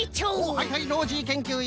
はいはいノージーけんきゅういん。